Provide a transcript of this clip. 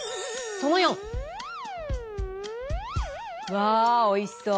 わあおいしそう。